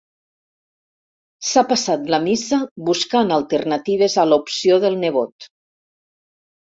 S'ha passat la missa buscant alternatives a l'opció del nebot.